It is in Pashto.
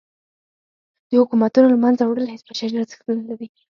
د حکومتونو له منځه وړل هیڅ بشري ارزښت نه لري.